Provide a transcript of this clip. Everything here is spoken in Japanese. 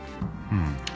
うん。